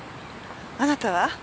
あなたは？